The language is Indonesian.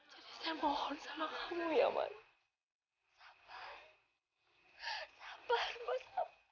jadi saya mohon salam kamu ya mas